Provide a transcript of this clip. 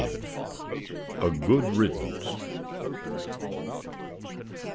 A GOOD RIDDANCE.